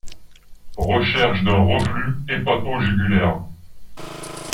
Recherche d'un reflux hépato-jugulaire.